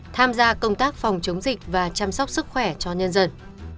tham gia công tác phòng chống dịch và chăm sóc sức khỏe cho nhân dân